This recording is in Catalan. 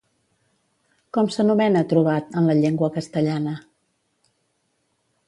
Com s'anomena Trobat en la llengua castellana?